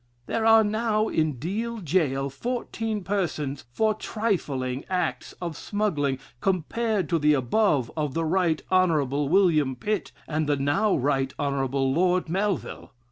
"There are now in Deal jail fourteen persons for trifling acts of smuggling compared to the above of the Right Honorable William Pitt and the now Right Honorable Lord Melville.